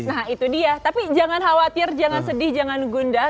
nah itu dia tapi jangan khawatir jangan sedih jangan gundah